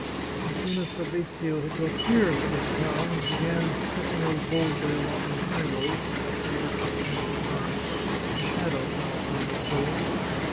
As soon as Fabrizio had got clear of the little town and began step ping out boldly along the highroad, with his sabre tucked under his arm, a shadow fell upon his soul.